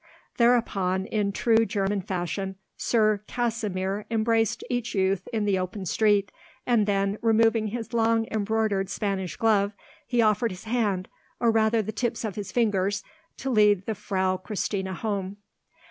Thereupon, in true German fashion, Sir Kasimir embraced each youth in the open street, and then, removing his long, embroidered Spanish glove, he offered his hand, or rather the tips of his fingers, to lead the Frau Christina home.